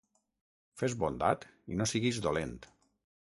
Fes bondat i no siguis dolent.